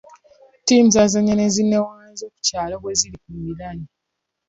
Ttiimu yazaannya ne zinnaazo ku kyalo bwe ziri ku mbiranye.